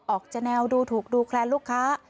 ออกจะแนวดูถูกดูแคลนลูกค้า